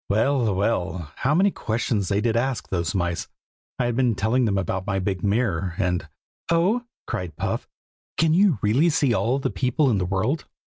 Well, well, how many questions they did ask, those mice. I had been telling them about my big mirror, and "Oh!" cried Puff, "can you really see all the people in the world?"